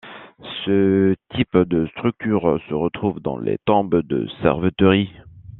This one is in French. Ce type de structure se retrouve dans les tombes de Cerveteri.